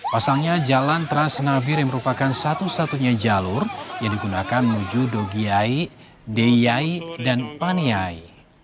pasalnya jalan transnabir yang merupakan satu satunya jalur yang digunakan menuju dogiai deyai dan paniai